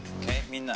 「みんな。